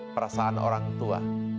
perasaan orang tua